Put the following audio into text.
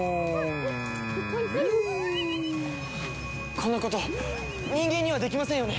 こんなこと人間にはできませんよね？